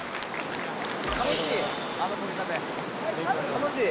楽しい。